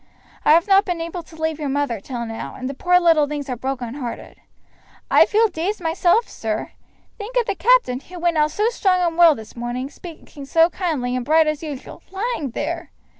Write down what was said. I have not been able to leave your mother till now, and the poor little things are broken hearted. I feel dazed myself, sir. Think of the captain, who went out so strong and well this morning, speaking so kind and bright just as usual, lying there!"